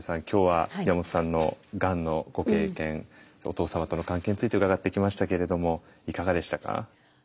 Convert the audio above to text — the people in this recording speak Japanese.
今日は宮本さんのがんのご経験お父様との関係について伺ってきましたけれどもいかがでしたか？